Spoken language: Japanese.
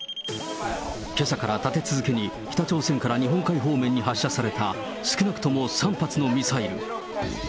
けさから立て続けに北朝鮮から日本海方面に発射された、少なくとも３発のミサイル。